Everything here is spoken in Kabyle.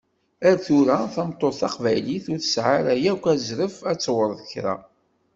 Ar tura, tameṭṭut taqbaylit ur tesɛi ara yakk azref ad tewṛet kra!